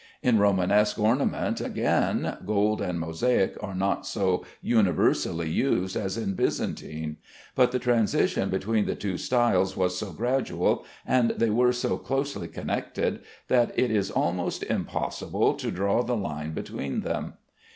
In Romanesque ornament again, gold and mosaic are not so universally used as in Byzantine; but the transition between the two styles was so gradual, and they were so closely connected, that it is almost impossible to draw the line between them.